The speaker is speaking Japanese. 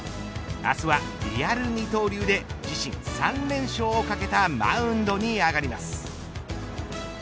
明日はリアル二刀流で自身３連勝を懸けたマウンドに上がります。